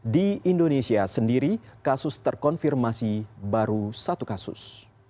di indonesia sendiri kasus terkonfirmasi baru satu kasus